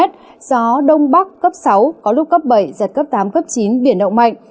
gió đông bắc cấp sáu có lúc cấp bảy giật cấp tám cấp chín biển động mạnh